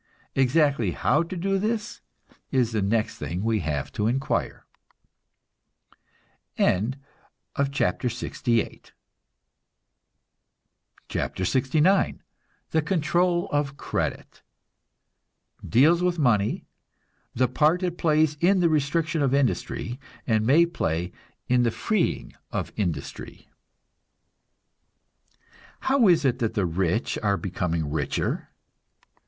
Exactly how to do this is the next thing we have to inquire. CHAPTER LXIX THE CONTROL OF CREDIT (Deals with money, the part it plays in the restriction of industry, and may play in the freeing of industry.) How is it that the rich are becoming richer?